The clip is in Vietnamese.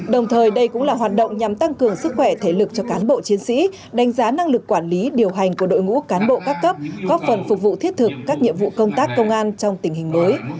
đồng thời đây cũng là hoạt động nhằm tăng cường sức khỏe thể lực cho cán bộ chiến sĩ đánh giá năng lực quản lý điều hành của đội ngũ cán bộ các cấp góp phần phục vụ thiết thực các nhiệm vụ công tác công an trong tình hình mới